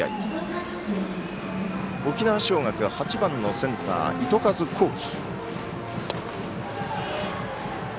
打席には沖縄尚学８番のセンター、糸数幸輝。